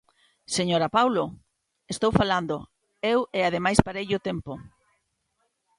¡Señora Paulo!, estou falando eu e ademais pareille o tempo.